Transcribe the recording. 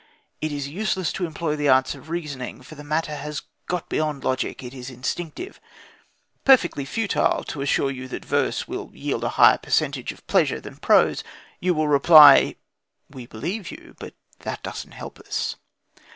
It is useless to employ the arts of reasoning, for the matter has got beyond logic; it is instinctive. Perfectly futile to assure you that verse will yield a higher percentage of pleasure than prose! You will reply: "We believe you, but that doesn't help us."